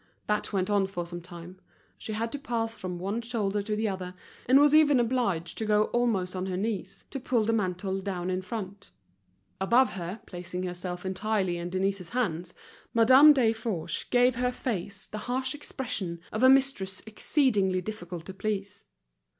That went on for some time: she had to pass from one shoulder to the other, and was even obliged to go almost on her knees, to pull the mantle down in front. Above her placing herself entirely in Denise's hands, Madame Desforges gave her face the harsh expression of a mistress exceedingly difficult to please.